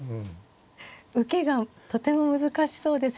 受けがとても難しそうで。